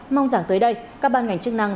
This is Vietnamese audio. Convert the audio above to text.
mong rằng tới đây các ban ngành chức năng